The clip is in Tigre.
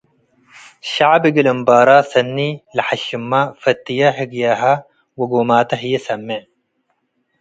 ሸዐብ እግል እምባረ ሰኒ ለሐሽመ፣ ፈትየ ህግያሃ ወጎማተ ህዬ ሰሜዕ።